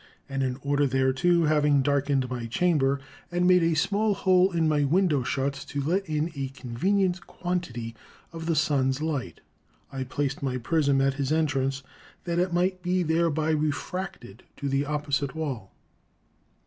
And in order thereto having darkened my chamber, and made a small hole in my window shuts to let in a convenient quan tity of the sun's light, I placed my prisme at his entrance, that it might be thereby refracted to the opposite wall."